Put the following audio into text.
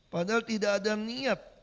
padahal tidak ada niat